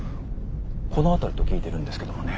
この辺りと聞いてるんですけどもね。